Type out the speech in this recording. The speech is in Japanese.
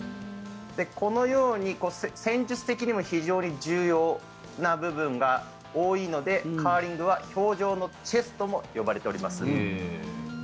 このように戦術的にも非常に重要な部分が多いのでカーリングは氷上のチェスとも呼ばれています。